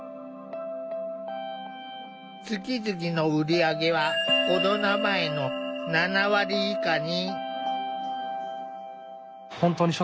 月々の売り上げはコロナ前の７割以下に。